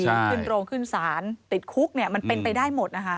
ขึ้นโรงขึ้นศาลติดคุกมันเป็นไปได้หมด